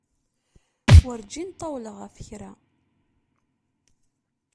Werǧin ṭṭawaleɣ ɣef kra.